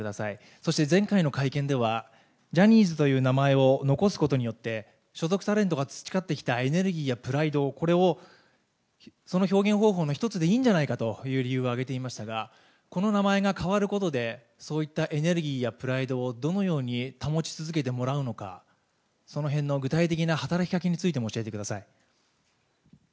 そして前回の会見では、ジャニーズという名前を残すことによって、所属タレントが培ってきたエネルギーやプライド、これを、その表現方法の一つでいいんじゃないかという理由を挙げていましたが、この名前が変わることで、そういったエネルギーやプライドをどのように保ち続けてもらうのか、そのへんの具体的な働きかけについても教えてください。